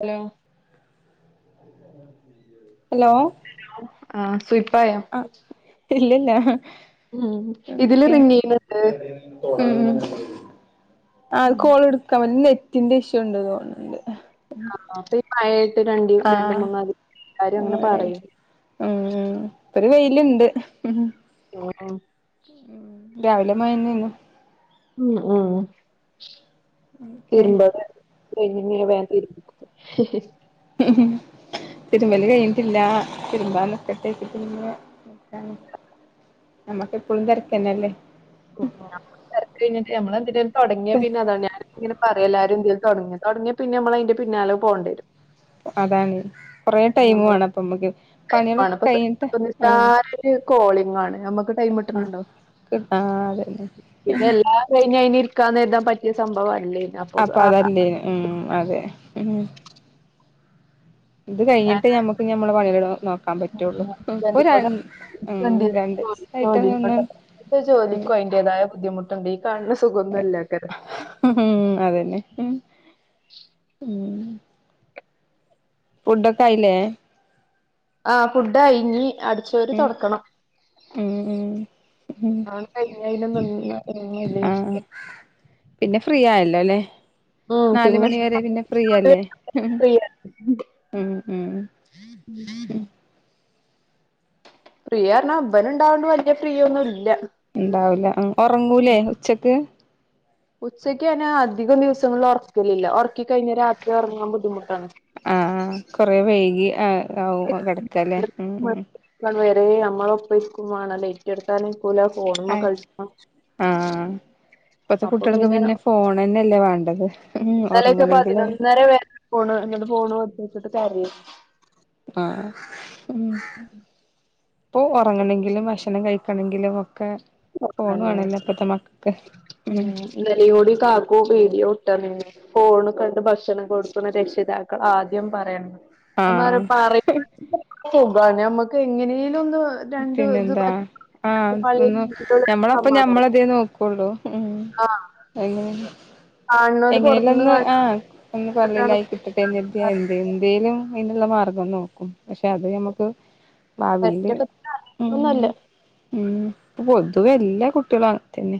Hello hello ആഹ സൂപ്പറായ ഇല്ലല്ല ഉം ഇതില് റിങ്ങീയ്യ്ണ്ണ്ട് ഉം അത് കോള് ആഹ് പ്പെ പയേ രണ്ടീസ ആഹ് [unintelligible] എല്ലാരുങ്ങനെ പറീണ് ഒര് വെയില്ണ്ട് ആഹ് രാവിലെ മഴെന്നേന്നു ഉം ഊഹ് ക്കെ വെലിമ്മ വേം തിരിപിക്കും തിരുമ്പല് കഴിഞ്ഞ്ട്ടില്ല തിരുമ്പാ നിക്കട്ടെര്തിട്ട്ങനെ നിക്കാണ് ഞമ്മക്കെപ്പളും തെരക്കെന്നല്ലെ തെരക്കെയ്ഞ്ട്ട് ഞമ്മളെന്തിനേലും തൊടങ്ങ്യ പിന്നതാണ് ഞാനൊക്ക്ങ്ങനെ പറ് എല്ലാരും ഇന്തേല് തൊടങ്ങ തൊടങ്ങിയ പിന്നെ നമ്മളയിന്റെ പിന്നാലെ പോണ്ടേരും അതാണെ ഞമ്മളൊ [unintelligible] കഴിഞ്ഞിട്ട് ആഹ് എല്ലാരോര് കോളിംഗാണ് നമ്മക്ക്ട്ടെ ആഹ് ബുദ്ധിമുട്ട്ണ്ണ്ണ്ടൊ ആഹ് അതന്നെ പിന്നെ എല്ലാം കഴിഞ്ഞഴിഞ് ഇരിക്കാന്നെര്താ പറ്റിയ സംഭവ അപ്പ അതല്ലെ ഉം അതെ ഉം ഇത് ഞാൻ കഴിഞ്ഞിട്ട് ഞമ്മക്ക് ഞമ്മളെ പണീള് നോക്കാൻ പറ്റൊള്ളു ഇപ്പൊ ഒരെ ഹസ്ബൻഡിനോട് ഹസ്ബൻഡിന്റെ രണ്ട് ജോലി ആയിട്ടെന്നന്ന് ജോലിനോട് ഇപ്പൊ ജോലിക്കും അയന്റേതായ ബുദ്ധിമുട്ട്ണ്ട് ഈ കാണുന്ന സുഖൊന്നൊല്ലാക്കാരം ഉം അതന്നെ ഉം ഉം ഫുഡൊക്കെ ആയില്ലേ ആഹ് ഫുഡ്ഡായിഞ്ഞീ അടിച്ചോരി ഉം തൊട്ക്കണം ഉം ഉം ഉം ആഹ് കഴിഞ്ഞഴിന് നിന്ന് മുന്നെ ഇങ്ങനെല്ലെഴ്ന് ലേ നാല്മണി വരെ പിന്നെ ഫ്രീയല്ലെ ഫ്രീ ഉം ഉം ഫ്രീയാറഞ്ഞ ഇബന്ണ്ടാവോണ്ട് വല്യ ഫ്രീയൊന്നുല്ല ഇണ്ടാവൂല ഉം ഒറങ്ങൂലെ ഉച്ചക്ക് ഉച്ചക്കെന്നാ അധികം ദിവസ്സങ്ങള്ല് ഒറക്കലില്ല ഒറക്കി കഴിഞ്ഞ രാത്രി ഒറങ്ങാൻ ബുദ്ധിമുട്ടാണ് ആഹ് കൊറൈ വൈകി ആഹ് ആവും കെടക്കാല്ലേ ഉം ഏയ് നമ്മളൊപ്പം ഇരിക്കും വേണല്ലെ ലൈറ്റെട്ത്താന് കൂലാ ഫൊണ്മ്മ ആഹ് കളിച്ചണം ആഹ് ഇപ്പത്തെ കുട്ടീള്ക്ക് പിന്നെ ഫോണന്നെല്ലെവാണ്ടെ ഇന്നലൊക്കെ പതിനൊന്നര വരെ ഫോണ് നി ഫോൺ വേട്ചച്ച്ട്ട് കരെരുന്നു ആഹ് ഉം ഇപ്പൊ ഒറങ്ങണങ്കിലും ഭക്ഷണം കഴിക്കണങ്കിലും തന്നെയാണ് ഫൊണ്വാണല്ലെ ഇപ്പത്തെമക്ക ഉം ഇന്നലെയോടി കാക്കു വീഡിയോ വുട്ട്തന്നീന്നു ഫോണ് കണ്ട് ഭക്ഷണം കൊടുക്ക്ന്ന രക്ഷിതാക്കളാദ്യം പറയണം ഞാൻ ആഹ് പരിണോൾക്ക് സുഖാണ് ഞമ്മക്ക്ങ്ങനേലും ഒന്ന് രണ്ട് ഇത് പിന്നെന്താ പറ്റി പഴേ ഞമ്മളപ്പൊ ഞമ്മള്തേ നോക്കൊള്ളു ആഹ് അങ്ങനെ കാണുന്നോല് പൊറത്തുന്ന് എങ്ങനെലൊന്ന് ആഹ് ഒന്ന് കാണുന്ന പള്ളിയിലായി കിട്ടട്ടെന്നര്തിയ എന്ത് എന്തേലും അയിന്ള്ള മാർഗം നോക്കും പക്ഷെ അത് ഞമ്മക്ക് ഭാവീല് പെറ്റൊക്കെ ഒന്നല്ല ഇപ്പ പൊതുവെ എല്ലാ കുട്ടീളും. അങ്ങ തന്നെ.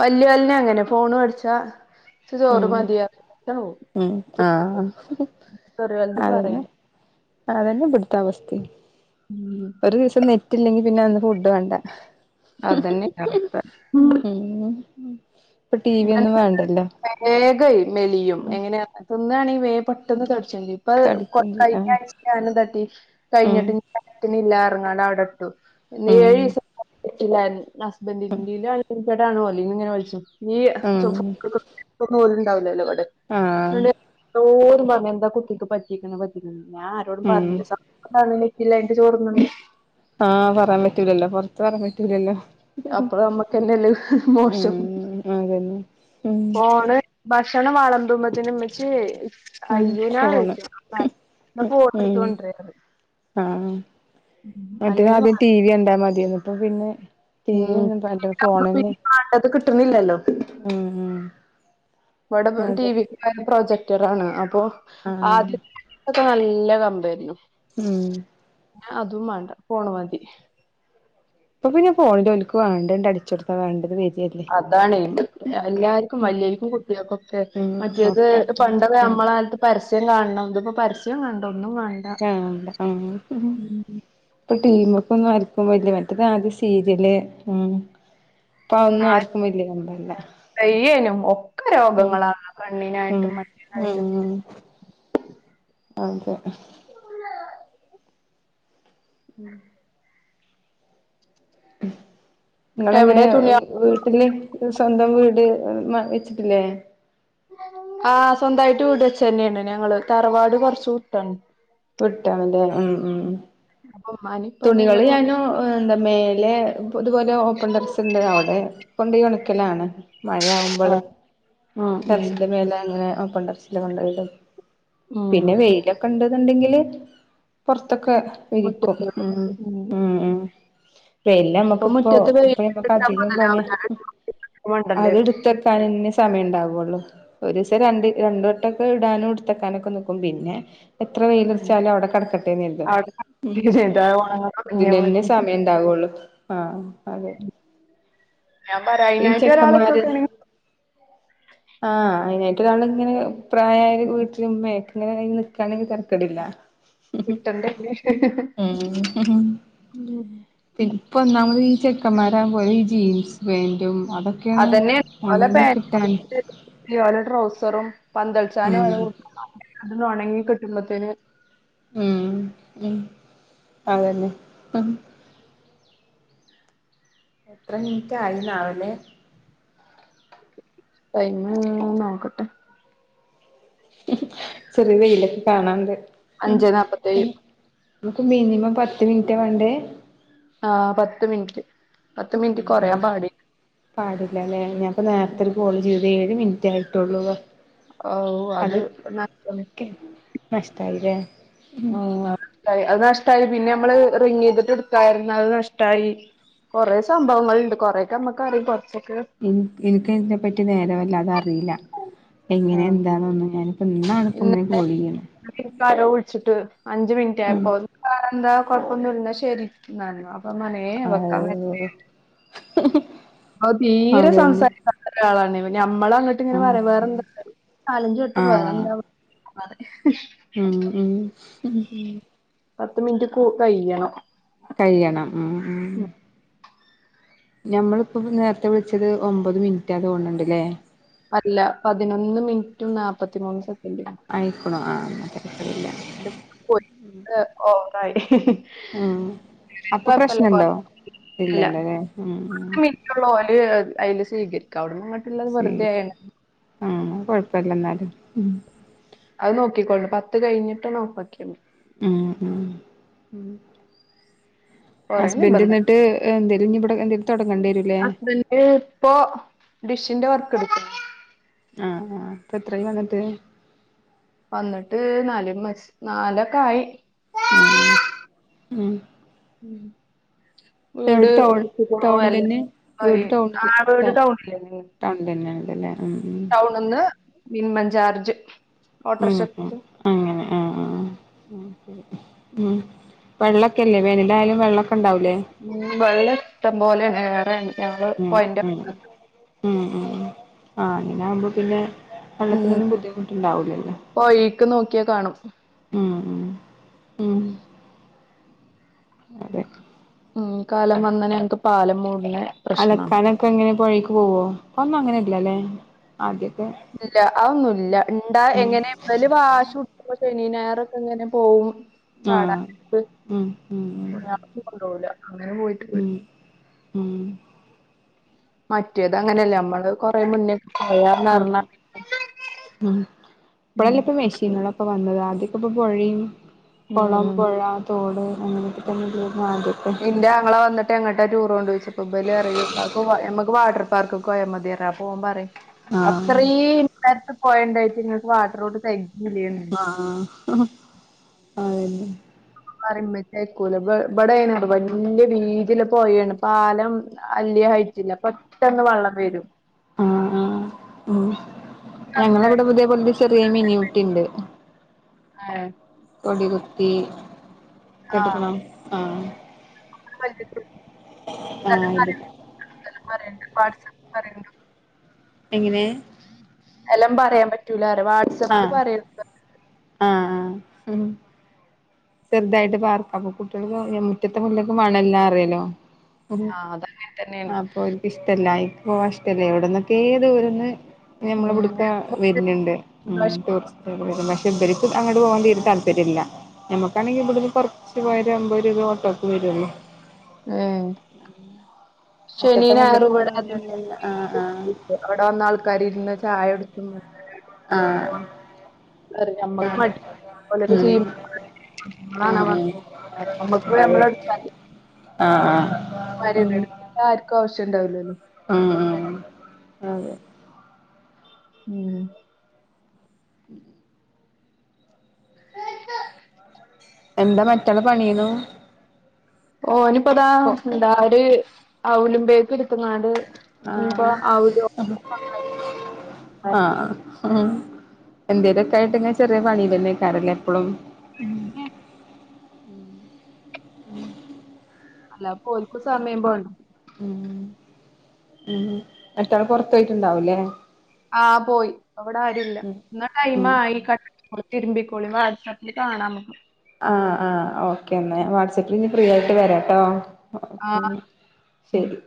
വല്ല്യ വല്ല്യ അങ്ങനെ ഫോണ് മേടിച്ചാൽ. ഇച്ച് ചോറ് ഉം മതിയാഞ്ഞിട്ടാവും ഉം ആഹ് അതന്നെ [unintelligible] അതന്നെ ഇബടുത്ത അവസ്ത്തിം. ഉം. ഒരു ദിവസം നെറ്റില്ലെങ്കിൽ പിന്നെ അന്ന് ഫുഡ് വേണ്ട [inaudible] അതന്നെ അവസ്ഥ. ടി വി ഒന്നും വേണ്ടല്ലോ വേഗ മെലിയ ഉം എങ്ങനെയാ? തിന്നാണെങ്കിൽ വേം പെട്ടെന്ന് ത്തട് [unintelligible] തടിക്കും ഇപ്പഅ‌ത് ചെയ്യും കഴിഞ്ഞ ആഹ് ആഴ്ച ഞാനെന്താട്ടി ഉം കഴിഞ്ഞിട്ട് കത്ത്ണില്ല ഉം [unintelligible] ഹസ്ബന്റിന്റെ അവരെന്ന് അങ്ങനെ വലിചും. [unintelligible] ഉം ആഹ് [unintelligible] കുട്ടിക്ക് പറ്റീക്ണ് പറ്റീക്ണ്. ഞാൻ ആരോടും [unintelligible] ഉം പറഞ്ഞിടില [unintelligible] ആഹ് പറയാൻ [unintelligible] പറ്റൂലല്ലോ? അപ്പ നമ്മക്കെന്നല്ലേ മോശം. ഉം അതന്നെ ഉം ഫോണ്. ഭക്ഷണം വളംമ്പുബത്തിന് ഇമ്മച്യെ. ഉം അയ്യേനാ ഫോണ് വിളിച്ചേ. ഫ ഉം ഫോട്ടോ ഉം എടുത്തോണ്ട ആഹ് മറ്റേത് ആദ്യം ടി വി ഉണ്ടാമതെർന്ന് ഇപ്പ പിന്നെ. ടി വി ഉം. ഒന്നും വേണ്ട ഫോണന്നെ [unintelligible] കിട്ടുന്നില്ലല്ലോ? ഉം ഉം ടി അതെ വി പ്രൊജക്ടഡ് ആണ്. അപ്പൊ, ആഹ് ആദ്യക്കെ നല്ല കമ്പായിരുന്നു. ഉം.. അതും വേണ്ട. പോണ മതി. അപ്പൊ പിന്നെ ഫോണിലോൽക് വേണ്ടണ്ട്. അടിച്ചെടുത്താ വേണ്ടത് വെരും. അതാണെ. എല്ലാർക്കും ഉം വല്ല്യർക്കും കുട്ടിൾകൊക്കെ ഉം മറ്റേത്. ഒക്കെ ഉം പണ്ടൊക്കെ. നമ്മള കാലത്ത് പരസ്യം കാണണം. ഇതിപ്പം പരസ്യം കണ്ടോ. ആഹ, ആ.. ഉം ടിവിമ കൊന്നും ആര്ക്കും വല്ല്യ മറ്റേത് ആദ്യ സീരിയല്ല്. ഉം.. ഇപ്പതൊന്നും ആരും ആർക്കും വല്ല്യ കമ്പല്ല. പയ്യേനും ഒക്കെ ഉം. രോഗങ്ങളാണ് ഉം. കണ്ണിനായിട്ടും മറ്റേതായിട്ടും ഉം.. അതെ, [inaudible] എവിടെ നിങ്ങളങ്ങനെ തുണിയാ വീട്ടില് സ്വന്തം വീട്. [unintelligible] ട്ടിലെ? ആഹ, സ്വന്തായ്ട്ട് വീട്ച്ചതന്നെയാണ് ഞങ്ങള്. തറവാട് കൊറച്ചു വിട്ടാണ്. വ്ട്ടാണ്‌ല്ലേ? ഉം. ഉം.. അപ്പൊ ഉമ്മാനേം ഉപ്പാനേം ഞങ്ങള് തുണികള് പോന്നു ഞാനും എന്താ മേലെ ഇതുപോലെ ഓപ്പൺ ഡറസുണ്ട്. അവിടെ കൊണ്ടോയി ഒണ ക്കൽ. ലണ് മഴയാകുമ്പോൾ ആഹ് ഉം ട്ടെറസിൻടെ മേല അങ്ങനെ. ഓപ്പൺ ടെറസിൽ കൊണ്ടോയിടും. ഉം ഉം പിന്നെ വെയിലൊക്കെ ഇണ്ടുന്നുണ്ടെങ്കിൽ. പൊർത്തൊക്കെ വിരിക്കും. മുറ്റത്ത് ഉം.. ഉം. ഉം. ഇപ്പൊ വെയ്ലമ്മക്കിപ്പൊ മുറ്റത്ത് ഇപ്പൊ മ്മക്ക് വെയിലിട്ടിട്ടാ അധികം പണിയ. മുതലാവൂല മണ്ടണ്ടി അത് വരും ഇട്ത്തെക്കാനെന്നെ സമയം ഉണ്ടാവു. ള്ള, ഒരീസം രണ്ട് രണ്ടട്ടൊക്കെ ഇടാനും ഇടുത്തക്കാനൊക്കെ നിക്കും പിന്നെ. എത്ര ഉം വെയ്ലർചാലും അവിടെ കട്ക്കട്ടേന്നു ക ര്തും. ഉം. അവിടെ ചെയ്താ ഉണങ്ങാൻ തുടങ്ങിയാ ഇതിനന്നെ മതി സമയം ഉണ്ടാവുള്ളു. ആഹ, അതെ ഞാൻ പറയാ ഈ അയിനായിട്ട് ഒരാളൊക്കെ ചെക്കന്മാര്. ആണെങ്കിൽ ആഹ, അയ്നായ്ട്ട് ഒരാളിങ്ങനെ പ്രായായ വീട്ടില് ഉമ്മയെ ണെങ്കി തര്ക്കേടില്ല. കിട്ടണ്ടേ [unintelligible] ഉം ഉം ഇപ്പൊ ഒന്നാമത് ഈ ചെക്കന്മാരാകുംബം ഈ ജീൻസ് പാൻറും. അതന്നെ ഒലോ പാന്റും [unintelligible] ഒലെ ടൗസറും. പന്തൽചാനും ഉം [unintelligible] ഉണങ്ങി കിട്ടുമ്പത്തിന്. മ്മ് ഉം അതന്നെ. എത്ര മിനിറ്റ് ആയിണവല്ലേ. ടൈമ്മ് നോക്കട്ടെ. ചെറ്യേ വെയ്ലൊക്കെ കാണാണ്ട്. അഞ്ചേ നാപ്പത്തേഴ് [unintelligible] മിനിമം പത്ത് മിനിറ്റാ വാണ്ടേ? ! ! ! ! ആ പത്ത് മിന് റ്റ്! ! ! ! ! മ്മ് മ് പാടില്ലല്ലേ ഞാൻ ഇപ്പം നേരത്തെ ഒരു കോള് ചെയ്തു ഏഴു മിനി കേട്ടോളുക. അവ്വു അത് നഷ്ട. [unintelligible] നഷ്ട്ടായില്ലേ. മ്മ് അതു നഷ്ടയായി അതു നഷ്ടയായി പിന്നെ നമ്മള് റിങ്ങു ചെയ്തിട്ട് എടുക്കാതിരുന്നാ അത് നഷ്ടയായി. കൊറെ സംഭവങ്ങളുണ്ട് കൊറെയൊക്കെ നമ്മക്കറിയും കെറച്ച് ഇനി ഇനിക്ക് ഇതിനെ പറ്റി നേരെ വല്ലാതെ ഒന്നുമറിയല്ല ഇങ്ങനെ എന്താ ഒന്നു ഞാന് ഇന്നാണിപ്പോ ഇങ്ങനെ ഇന്നത്തെ കോള് ചെയ്യണേ. ഇക്കാരെ വിളിച്ചിട്ട് അഞ്ചു മിനിറ്റ് ആയപ്പോ എന്താ കോഴപ്പ ഒന്നു ഇല്ലല്ലോ എന്നാ ശരി എന്നു പറഞ്ഞു. [unintelligible] വയ്ക്കാൻ. ആഹ് [unintelligible] അത് തീരെ അതന്നെ സംസാരിക്കാത്ത ഒരാളാണേ. നമ്മള് അങ്ങട്ട് ഇങ്ങനെ ആഹ് പറയും വേറെന്താ വേറെന്താ നാല് അഞ്ച് വട്ടം വേറെന്താ വേറെന്താ പറയും. മ് മ്മ്. ഉം പത്ത് മിൻറ്റ് കൂ കയ്യണം. കയ്യണം മ് മ്മ്. ഞമ്മള് ഇപ്പോ നേരത്തെ വിളിച്ചത് ഒമ്പത് മിനിറ്റാ തോന്നണ് ഉണ്ടല്ലേ. അല്ല പതിനൊന്ന് മിനിറ്റും നാപ്പത്തിമൂന്ന് സെക്ക ആയിക്ക്ണോ ആ. എന്റെ പോയി ഒക്കെ ഓവറായി. ആഹ് അപ്പൊ കൊഴ്പ്പല്ല കൊഴ് പ്രശ്നണ്ടോ പ്പ ഇല്ല ഇല്ലല്ലല്ലേ ഉം ഉം പത്ത് മിനിറ്റൊള്ളോല്. അയ്ല് സ്വീകരിക്കും. സ്വീകരിക്കും ആ കൊഴ്പ്പില്ല എന്നാലും മ്. അത് നോക്കിക്കോണ്ടു പത്ത് കഴിഞ്ഞിട്ട് ഒന്ന് ഒഫാക്ക്യാ മതി. മ് മ് മ്. കൊറേ നിബന്ധനാ ഇനി ഇവിടെ എന്തേലും തൊടങ്ങേണ്ടി വരൂല്ലേ ഹസ്ബൻ്റ് ഇപ്പോ ഡിഷിന്റെ വർക്കെടുക്കാ. ആഹ് ഇപ്പോ എത്രായി വന്നിട്ട്? വന്നിട്ട് നാല് മാച് നാലൊക്കെയായി. മ്മ് മ്. മ്. വീട് ടൗൺ ട്ത്ത്ക്കണോ അല്ലെ ടൗണിലന്നെ വീട് ആ ടൗണില് വീട് ടൗ ടൗണ്ലന്നെ. ടൗണിലന്നെണ്ട്ല്ലേ ഉം ഉം ടൗണിന്ന് മിനിമം ചാർജ് ഓട്ടോറിക്ഷക്ക്. ആ ആ. വെള്ളൊ ഒക്കെയില്ലേ വേനലായാലും വെള്ളൊ മ്മ് വെള്ളം ഇഷ്ടംപോലേണ് ഏറേണ് ഞങ്ങൾ പൊഴേന്റെ. [unintelligible] മ്മ് മ്മ് മ് ആ അങ്ങനാവുമ്പോ പിന്നെ. ഉം വെള്ളത്തിനൊന്നും ബുദ്ധിമുട്ട് ഉണ്ടാവൂലല്ലോ പൊഴേക്ക് നോക്കിയാ കാണും മ്മ്. അതെ. മ്മ് കാലം വന്നനെ ഞങ്ങക്ക് പാലം മൂടും. അലക്കാനക്കെ എങ്ങനെ പൊഴേക്ക് പോവോ? ഇപ്പോന്നു അങ്ങനെയില്ലല്ലേ. ഇല്ല അതൊന്നുല്ല ഇണ്ടാം ഉം എങ്ങനെ ഇവല് വാശി പിടിച്ചു ശനി ഞായറൊക്കെ ഇങ്ങനെ പോകും ആഹ് ചാടാന്ക്ക് ഉം ഉം ഉം വല്ലാതെ ഒന്നു കൊണ്ടോവൂല. അങ്ങനെ പോയ്ട്ട് പോയി. ഉം ഉം മറ്റേത് അങ്ങനെയല്ലേ നമ്മള് കൊറെ മുന്നേ. പോയാന്ന് അഹ് പറഞ്ഞാ ഉം ഉം ഇപ്ളല്ലപ്പ മിഷീനുകളാ. ഇപ്പം വന്നത് ആദ്യെക്കെപ്പൊ പൊഴിം കൊളം, ഉം പുഴ, തോട്, അങ്ങനെയൊക്കെ തന്നെ എന്റെ ആങ്ങള വന്നിട്ട് എങ്ങട്ട് ടൂർ കൊണ്ടുപോവേണ്ടേ ചോദിച്ചപ്പം ഇവല് പറയാ ഇക്കാക്കോ ഞമ്മക്ക് വാട്ടർ പാർക്കൊക്ക് പോയൽ മതി അപ്പോ ഓൻ പറയും ആഹ് അത്രയും ഉമ്മരത്ത് പൊഴണ്ടായിട്ട് ഇങ്ങക്ക് വാട്ടറോ [unintelligible] ആഹ് ഹ് ഹ് അതന്നെ. പറിമ്പെത്തേയ്ക്കൂല ഇബ് ഇബ് ടെണ് [unintelligible] വല്ല്യ വീജ്യല്ല പൊഴേണ്പാലം വലിയ ഹൈറ്റില്ല. പെട്ടെന്ന് വള്ളം വരും. ആഹ് ആഹ് ഉം. ഞങ്ങളവടെ പുതിയ കൊ [unintelligible] ചെറിയ മിനിയൂട്ടിണ്ട്. ആഹ് കൊടികുത്തി എടുക്കണം. ആഹ് [inaudible] ആഹ് ഇത് പറയണ്ട് വാട്സ്ആപ്പ് പറയണ്ട് എങ്ങനെ? എല്ലാം പറയാൻ പറ്റൂല വാട്സആപ്പില് ആഹ് പറയാ ഹും. ഹ് ചെറ്തായിട്ട് പാർക്കാം അപ്പൊ കുട്ടികൾ മുറ്റത്തെ മുല്ലക്ക് മണ ഇല്ലാ റ്യ ലോ അറിയല ഉംഅപ്പൊ ആഹ് അതങ്ങനെ തന്നെയാണ് അപ്പാ ഓർക്ക് ഇഷ്ടല്ല എനിക്കിഷ്ട അല്ല എനിക്ക് പോവാൻ ഇഷ്ടല്ലേ ഒവിട്ന്നൊക്കെ ഏ ദൂരന്ന് ഞമ്മള ഉം ഇവിട്ക്ക വര്ന്ന്ണ്ട് ഉം ടുറിസ്റ്റ്. പക്ഷെ മറ്റെ ഇ ബെൽക്ക് അങ്ങട്ട് പോവാൻ തീരെ താല്പര്യല്ല. ഞമ്മക്കാണെങ്കിഇബ്ടുന്ന് കൊറച്ച് പോയാര [unintelligible] അമ്പത് രൂപ ഓട്ടോക്കെ വരൊള്ളൂ ഉം. ശനീ മുറ്റത്തെ ഞായറും മുല്ലക്കും ഇവിടെ വേണല്ലല്ല ആഹ് ഇവിടെ വന്ന് ആൾക്കാര് ഇരുന്ന് ചായ കുടിക്കുമ്പോ? ആഹ്ആഹ് ഞമ്മക്ക് മടി ഉം ഓലൊക്കെ ചെയ്യുമ്പോ ഉം നമ്മളാണോ ഉംഅതെ വന്നേ നമ്മക്ക് ആഹ് ആഹ് മരംണ്ട് എടുത്ത് ഇബ്ടെആർക്കുംഇണ്ടാവശ്യം ഉണ്ടാവില്ലല്ലോ? ഉം. ഉം. ആഹ് അതെ ഉം എന്താ മറ്റളെപണീന്നു ഓനിപ്പ ഇതാ എന്താഒര് ഔലും പേക്ക് ഇട്ത്ത്ങ്ങാണ്ട് ആ ഹ് ആഹ് എന്തേലു ഒക്കെ ആയിട്ട് ഇങ്ങനെ ചെറിയ പണി തന്നേക്കാറല്ലേ എപ്പഴും ഉം അല്ല ഓല്ക്ക് സമയം പോണ്ടേ. ഉം മറ്റാള് പൊറ്ത്തു പോയിട്ടുണ്ടാവുല്ലേ. ആഹ് പോയി ഇവിടെ ആരുല്ല. എന്നാ ഉം ടൈംആയി കട്ടാ തിരുമ്പിക്കോളി വാട്സാപ്പിൽ കാണാം നമ്മക്ക്. ആഹ് ആഹ് ഓക്കെ എന്നാ വാട്സ് ആപ്പിൽ ഇനി ഫ്രീ ആയിട്ട് വരാട്ടോ. ആ ഓക്കെ എന്നാൽ ഉം. ശരി.